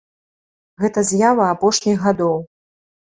Гэта з'ява апошніх гадоў.